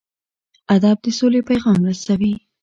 ادب د سولې پیغام رسوي.